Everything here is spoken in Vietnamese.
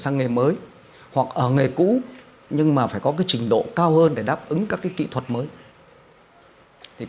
nhưng cũng phải có trình độ cao hơn để đáp ứng các kỹ thuật mới